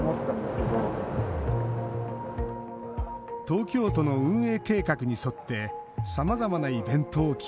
東京都の運営計画に沿ってさまざまなイベントを企画。